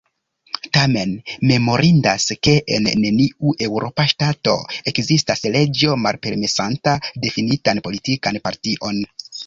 Tamen memorindas, ke en neniu eŭropa ŝtato ekzistas leĝo malpermesanta difinitan politikan partion.